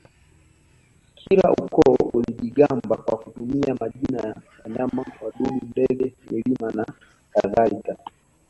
Kila ukoo ulijigamba kwa kutumia majina ya wanyama wadudu ndege milima na kadhalika